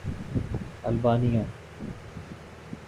Albania